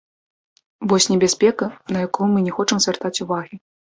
Вось небяспека, на якую мы не хочам звяртаць увагі.